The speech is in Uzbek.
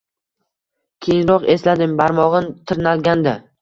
Keyinroq esladim, barmog`im tirnalgandi